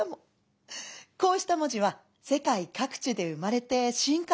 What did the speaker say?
こうした文字は世界各地で生まれて進化していったの。